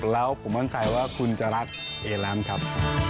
แล้วผมมั่นใจว่าคุณจะรักเอแลนด์ครับ